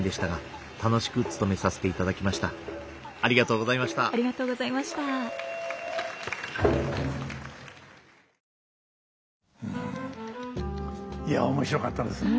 うんいや面白かったです。